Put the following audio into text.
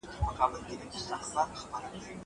که وخت وي، ښوونځی ته ځم.